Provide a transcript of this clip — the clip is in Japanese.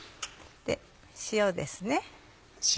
塩ですね。